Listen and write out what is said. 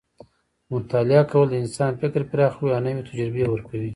مطالعه کول د انسان فکر پراخوي او نوې تجربې ورکوي.